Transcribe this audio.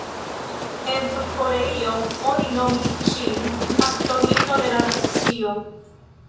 En Sud-Koreio oni nomis ŝin ""aktorino de la nacio"".